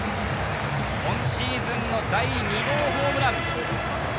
今シーズン第２号ホームラン。